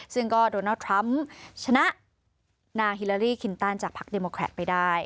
ซึ่งก็โดนัลด์ทรัมป์ชนะนางฮิลาลีคินตันจากพักเดโมแครตไปได้